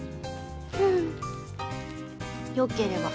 うんよければ